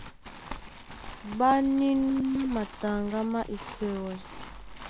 Ɓá nínúmá mataŋgá má Esɛwɛ.